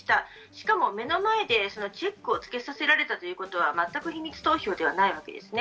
しかも目の前でチェックを付けさせられたということは全く秘密投票ではないわけです。